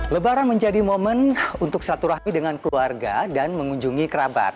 lebaran menjadi momen untuk silaturahmi dengan keluarga dan mengunjungi kerabat